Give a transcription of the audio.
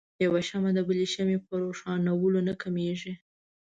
يوه شمعه د بلې شمعې په روښانؤلو نه کميږي.